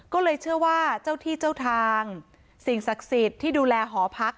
ก็เลยเชื่อว่าเจ้าที่เจ้าทางสิ่งศักดิ์สิทธิ์ที่ดูแลหอพัก